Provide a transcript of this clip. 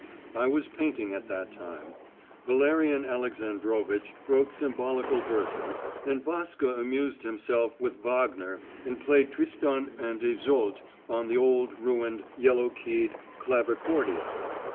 I was painting at that time; Valerian Alexandrovitch wrote symbolical verses, and Vaska amused himself with Wagner and played Tristan and Iseult on the old, ruined, yellow keyed clavicordia.